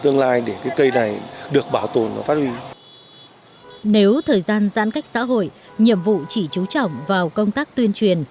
nếu thời gian giãn cách xã hội nhiệm vụ chỉ trú trọng vào công tác tuyên truyền